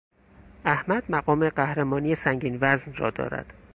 احمد مقام قهرمانی سنگین وزن را دارد.